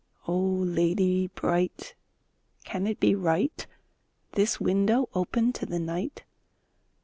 Oh, lady bright! can it be right This window open to the night!